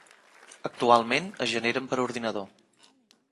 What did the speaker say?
Actualment es generen per ordinador.